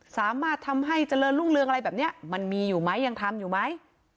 สามารถทำให้เจริญรุ่งเรืองอะไรแบบนี้มันมีอยู่ไหมยังทำอยู่ไหม